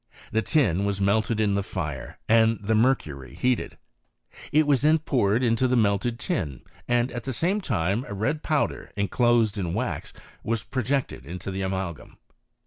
The tin was melted in the fire and the mercury .heated. It was then poured into the melted tin, and at the same time a red powder enclosed in wax was projected into the amalgam.